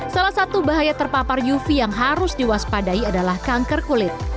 salah satu bahaya terpapar uv yang harus diwaspadai adalah kanker kulit